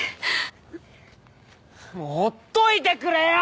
もうほっといてくれよ！